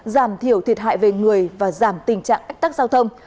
giảm thiểu thiệt hại về người và giảm tình trạng ách tắc giao thông